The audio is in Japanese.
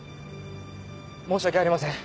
申し訳ありません。